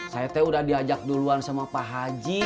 saya teh udah diajak duluan sama pak haji